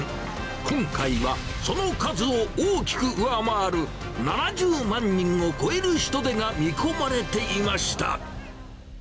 今回はその数を大きく上回る７０万人を超える人出が見込まれていました。